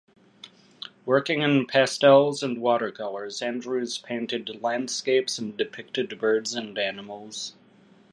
Working in pastels and watercolours Andrews painted landscapes and depicted birds and animals.